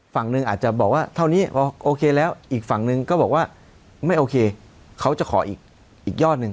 ฝั่งหนึ่งอาจจะบอกว่าเท่านี้พอโอเคแล้วอีกฝั่งนึงก็บอกว่าไม่โอเคเขาจะขออีกยอดหนึ่ง